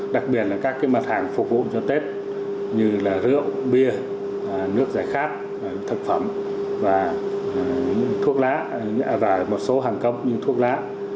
đặc biệt là các mặt hàng phục vụ cho tết như rượu bia nước giải khát thực phẩm và thuốc lá và một số hàng công như thuốc lá